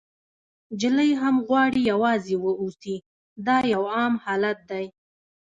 نجلۍ هم غواړي یوازې واوسي، دا یو عام حالت دی.